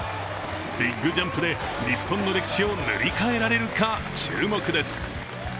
ビッグジャンプで日本の歴史を塗り替えられるか注目です。